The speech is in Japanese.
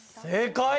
正解！